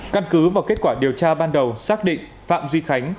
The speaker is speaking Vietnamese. căn cứ vào kết quả điều tra ban đầu xác định phạm duy khánh